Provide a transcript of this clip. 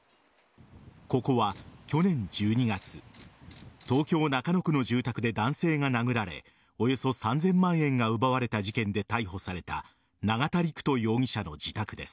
ここは去年１２月東京・中野区の住宅で男性が殴られおよそ３０００万円が奪われた事件で逮捕された永田陸人容疑者の自宅です。